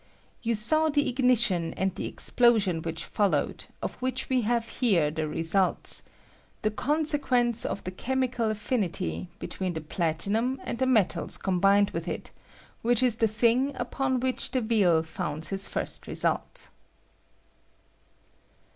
You saw the igni tion and the explosion which 'followed, of which wc have here the results — the consequence of ' the chemical af&nity between the platinum and I the metals combined with it, which ia the thing ' upon which. Deville founds his first result.